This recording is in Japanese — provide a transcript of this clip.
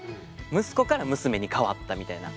息子から娘に変わったみたいな。